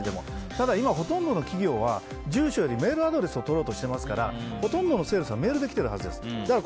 ただ、今はほとんどの企業は住所よりメールアドレスを取ろうとしていますからほとんどのセールスはメールできてるはずです。